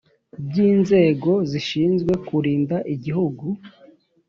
by inzego zishinzwe kurinda igihugu